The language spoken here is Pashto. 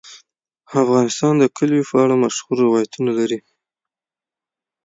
افغانستان د کلیو په اړه مشهور روایتونه لري.